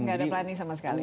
nggak ada planning sama sekali